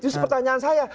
terus pertanyaan saya